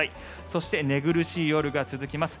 そして寝苦しい夜が続きます。